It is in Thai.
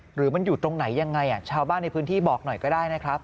หรือมันอยู่ตรงไหนยังไงชาวบ้านในพื้นที่บอกหน่อยก็ได้นะครับ